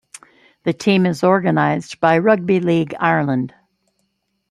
The team is organised by Rugby League Ireland.